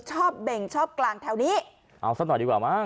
เบ่งชอบกลางแถวนี้เอาซะหน่อยดีกว่ามั้